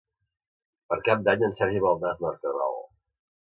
Per Cap d'Any en Sergi vol anar a Es Mercadal.